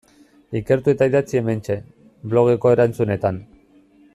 Ikertu eta idatzi hementxe, blogeko erantzunetan.